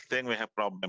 saya pikir ada masalah